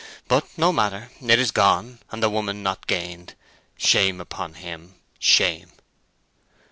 But no matter, it is gone, and the woman not gained. Shame upon him—shame!"